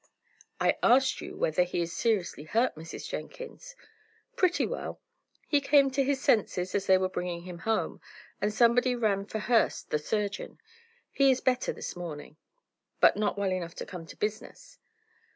"I asked you whether he is seriously hurt, Mrs. Jenkins." "Pretty well. He came to his senses as they were bringing him home, and somebody ran for Hurst, the surgeon. He is better this morning." "But not well enough to come to business?"